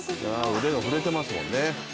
腕が振れてますもんね。